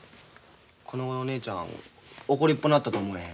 このごろお姉ちゃん怒りっぽなったと思わへん？